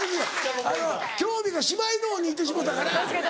興味が芝居の方にいってしもうたから。